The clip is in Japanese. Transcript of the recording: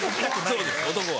そうです男は。